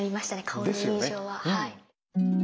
顔の印象ははい。